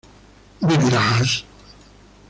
¿vivirás?